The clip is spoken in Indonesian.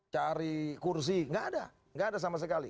cari kursi gak ada gak ada sama sekali